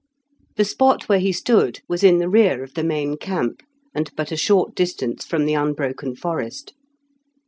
The spot where he stood was in the rear of the main camp, and but a short distance from the unbroken forest.